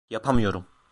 Yapamıyorum.